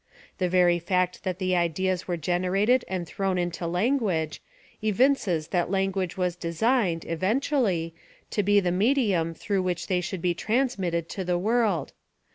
The very fact that the ideas were generated and thrown mto language, evinces that language was designed, eventually, to be the me. dium through which they should be transmitted to the world.